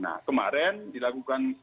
nah kemarin dilakukan